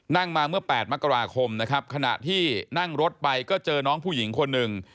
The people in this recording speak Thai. นั่งมาเมื่อ๘มกราคมนะครับขณะที่นั่งรถไปก็เจอน้องผู้หญิงคนหนึ่ง